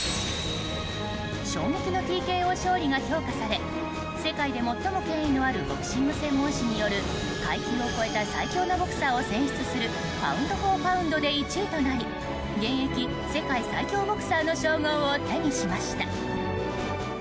衝撃のＴＫＯ勝利が評価され世界で最も権威のあるボクシング専門誌による階級を超えた最強のボクサーを選出するパウンド・フォー・パウンドで１位となり現役世界最強ボクサーの称号を手にしました。